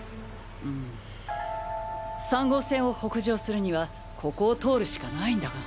うむ３号線を北上するにはここを通るしかないんだが。